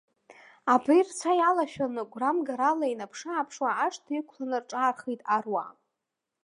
Абри рцәа иалашәаны, гәрамгарала инаԥш-ааԥшуа ашҭа иқәланы рҿаархеит аруаа.